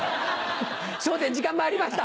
『笑点』時間まいりました